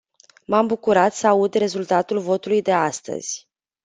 M-am bucurat să aud rezultatul votului de astăzi.